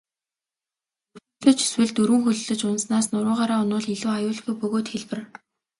Өвдөглөж эсвэл дөрвөн хөллөж унаснаас нуруугаараа унавал илүү аюулгүй бөгөөд хялбар.